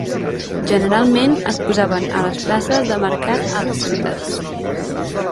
Generalment es posaven a les places de mercat a les ciutats.